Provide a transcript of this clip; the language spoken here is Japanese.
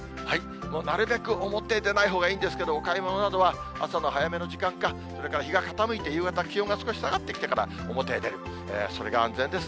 なるべく表に出ないほうがいいんですけれども、お買い物などは朝の早めの時間か、それから日が傾いて、夕方、気温が少し下がってきてから表へ出る、それが一番安全です。